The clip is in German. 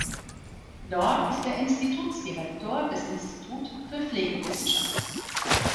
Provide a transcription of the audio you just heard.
Dort ist er Institutsdirektor des Institut für Pflegewissenschaft.